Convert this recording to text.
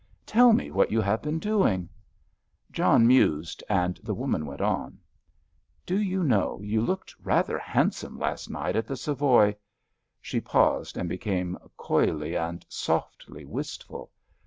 "Tell me what you have been doing." John mused, and the woman went on: "Do you know, you looked rather handsome last night at the Savoy." She paused and became coyly and softly wistful.